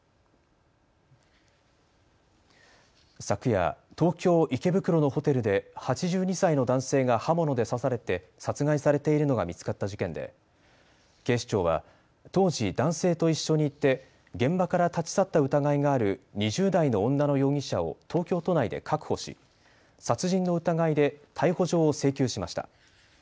昨夜、東京池袋のホテルで８２歳の男性が刃物で刺されて殺害されているのが見つかった事件で警視庁は当時、男性と一緒にいて現場から立ち去った疑いがある２０代の女の容疑者を東京都内で確保し殺人の疑いで逮捕状を請求しました。